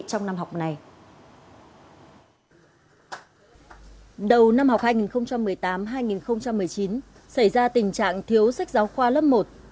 đầu năm học hai nghìn một mươi tám hai nghìn một mươi chín xảy ra tình trạng thiếu sách giáo khoa lớp một